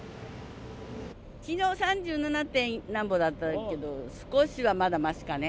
きのう３７点なんぼだったけど、少しはまだましかね。